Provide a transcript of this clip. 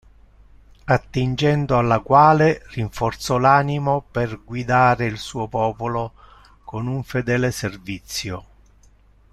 Attingendo alla quale rinforzò l'animo per guidare il suo popolo con un fedele servizio.